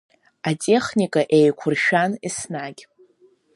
Атехника еиқәыршәан еснагь.